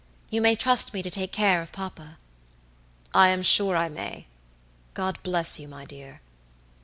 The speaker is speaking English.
You may trust me to take care of papa." "I am sure I may. God bless you, my dear."